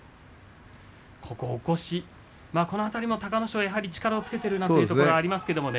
この起こし、この辺りも隆の勝力をつけているなっていうのがありますけれどもね。